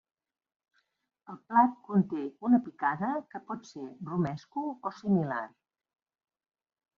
El plat conté una picada que pot ser romesco o similar.